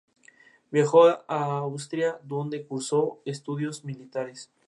El Evangelio según San Juan narra como fue resucitado por Jesús.